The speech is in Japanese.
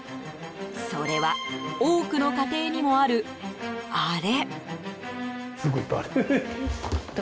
それは多くの家庭にもある、あれ。